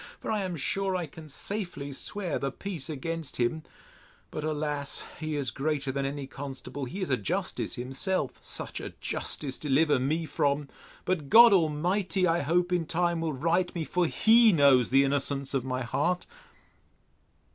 for I am sure I can safely swear the peace against him: But, alas! he is greater than any constable: he is a justice himself: Such a justice deliver me from!—But God Almighty, I hope, in time, will right me—For he knows the innocence of my heart!